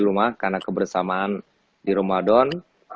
rumah karena kebersamaan di ramadan